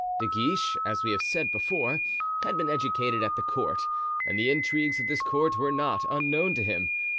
De Guiche, as we have said before, had been educated at the court, and the intrigues of this court were not unknown to him.